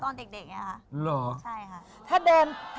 ตอนเด็กเนี่ยค่ะ